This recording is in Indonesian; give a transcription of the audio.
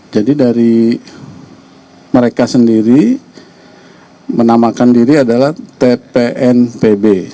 jadi dari mereka sendiri menamakan diri adalah tpnpb